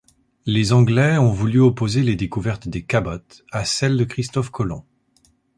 Les Anglais ont voulu opposer les découvertes des Cabot à celles de Christophe Colomb.